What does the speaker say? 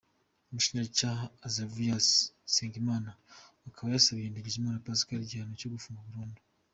Umushinjacyaha Azarias Nsengimana akaba yasabiye Ndagijimana Pascal igihano cyo gufungwa burundu.